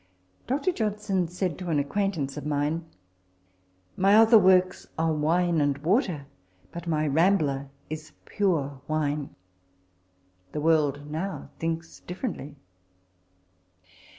Dr. Johnson said to an acquaintance of mine, " My other works are wine and water ; but my ' Rambler ' is pure wine." The world now thinks differently.